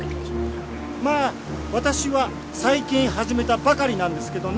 まあ私は最近始めたばかりなんですけどね！